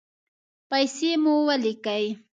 پیسې مو ولیکئ